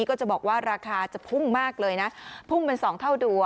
ก็จะบอกว่าราคาจะพุ่งมากเลยนะพุ่งเป็น๒เท่าตัว